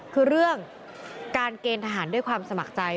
คือเรื่องการเกณฑ์ทหารด้วยความสมัครใจ